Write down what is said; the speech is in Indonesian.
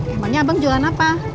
emangnya bang jualan apa